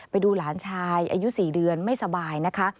ไปดูหลานชายอายุ๔เดือนไม่สบายนะคะ